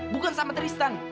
bukan sama tristan